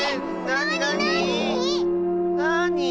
なに？